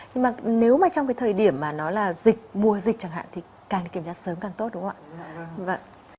nhưng mà nếu mà trong cái thời điểm mà nói là dịch mùa dịch chẳng hạn thì càng kiểm tra sớm càng tốt đúng không ạ